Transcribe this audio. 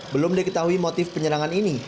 belum diketahui motif penyerangan ini